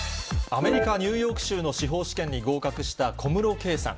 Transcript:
アメリカ・ニューヨーク州の司法試験に合格した小室圭さん。